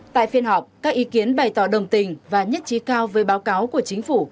tại phiên họp các ý kiến bày tỏ đồng tình và nhất trí cao với báo cáo của chính phủ